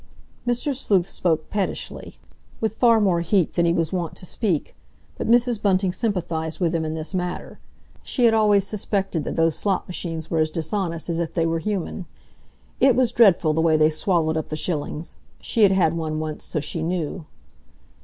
Mr. Sleuth spoke pettishly, with far more heat than he was wont to speak, but Mrs. Bunting sympathised with him in this matter. She had always suspected that those slot machines were as dishonest as if they were human. It was dreadful, the way they swallowed up the shillings! She had had one once, so she knew.